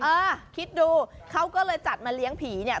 เออคิดดูเขาก็เลยจัดมาเลี้ยงผีเนี่ย